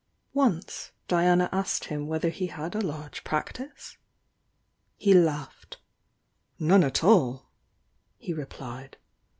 Once Diana asked him whether he had a large practice? He laughed. "None at all!" he replied.